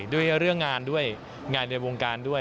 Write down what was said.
ด้วยเรื่องงานด้วยงานในวงการด้วย